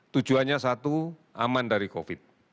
tujuannya satu aman dari covid sembilan belas